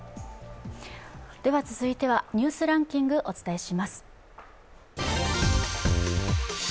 続いては「ニュースランキング」をお伝えします。